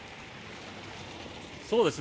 そうですね。